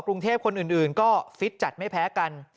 กรุงเทพฯมหานครทำไปแล้วนะครับ